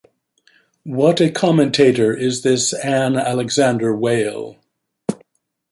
What a commentator is this "Ann Alexander" whale.